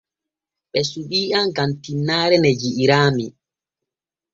Ɓe suɓii am gam tinnaare ne ji'iraami.